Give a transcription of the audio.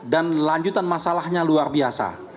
dan lanjutan masalahnya luar biasa